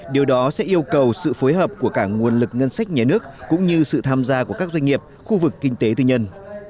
điều đó sẽ yêu cầu sự phối hợp của cả nguồn lực ngân sách nhé nước cũng như sự tham gia của các doanh nghiệp khu vực kinh tế tư nhân